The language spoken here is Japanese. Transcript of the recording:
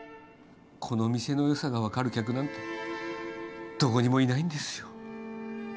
この店のよさが分かる客なんてどこにもいないんですよ。